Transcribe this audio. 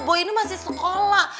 boy ini masih sekolah